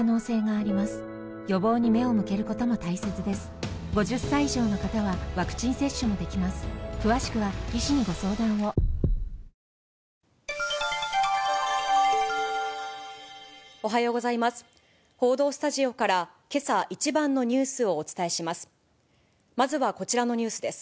報道スタジオからけさ一番のニュースをお伝えします。